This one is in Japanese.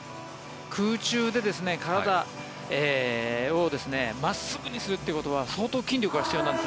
空中で体を真っすぐにすることは相当筋力が必要なんです。